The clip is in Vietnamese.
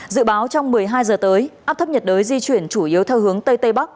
dự báo trong một mươi hai giờ tới áp thấp nhiệt đới di chuyển chủ yếu theo hướng tây tây bắc